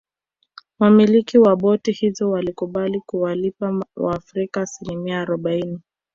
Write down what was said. Wamiliki wa boti hizo walikubali kuwalipa waafrika asimilia arobaini